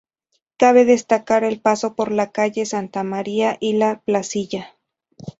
Cabe destacar el paso por la calle Santa María y La Placilla.